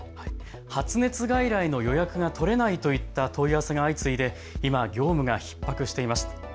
発熱外来の予約が取れないといった問い合わせが相次いで今、業務がひっ迫しています。